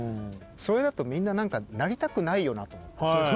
それだとみんななりたくないよなと思って。